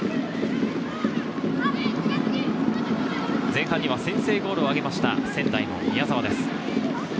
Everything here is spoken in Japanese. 前半には先制ゴールを挙げました、仙台の宮澤です。